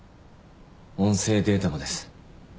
音声データもです。